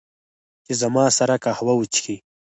چې، زما سره قهوه وچښي